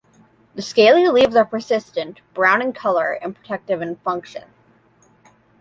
The scaly leaves are persistent, brown in colour and protective in function.